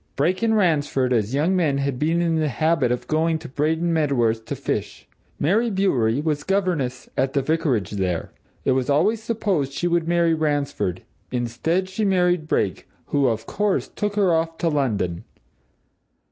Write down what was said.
Brake and Ransford, as young men, had been in the habit of going to Braden Medworth to fish; Mary Bewery was governess at the vicarage there. It was always supposed she would marry Ransford; instead, she married Brake, who, of course, took her off to London.